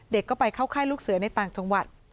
เด็กก็ไปเข้าค่ายลูกเสือในต่างจังหวัด